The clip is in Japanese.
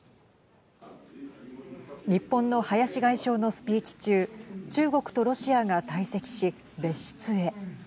日本の林外相のスピーチ中中国とロシアが退席し別室へ。